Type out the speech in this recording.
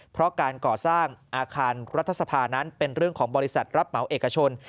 เพราะการก่อสร้างอาคารรัฐสภานั้นเป็นเรื่องของบริษัทรับเหมาเอกชน